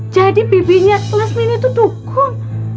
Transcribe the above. jadi bibinya lasmini itu dukun